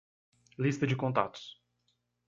Lista de contatos.